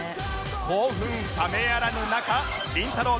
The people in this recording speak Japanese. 興奮冷めやらぬ中りんたろー。